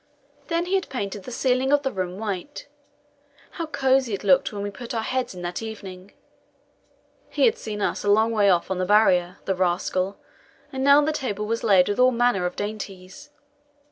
Then he had painted the ceiling of the room white. How cosy it looked when we put our heads in that evening! He had seen us a long way off on the Barrier, the rascal, and now the table was laid with all manner of dainties.